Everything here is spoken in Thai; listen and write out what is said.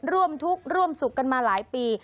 ร่วมทุกข์ร่วมสุขกันมาหลายปี